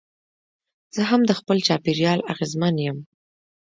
زه هم د خپل چاپېریال اغېزمن یم.